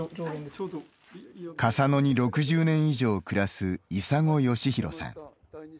笠野に６０年以上暮らす砂金良宏さん。